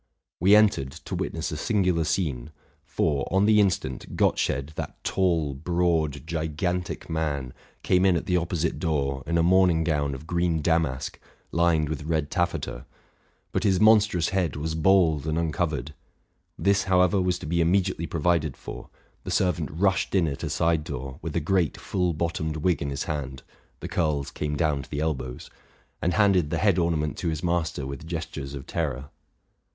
We entered, to witness a singular scene : for, on the instant, Gottsched, that tall, broad, gigantic man, came in at the opposite door in a morning gown of green damask lined with red taffeta; but his monstrous head was bald and uncovered. This, however, was to be immediately provided for: the servant rushed in at a side door with a great full bottomed wig in his hand (the curls came down to the elbows), and handed the head ornament to his master with gestures of terror.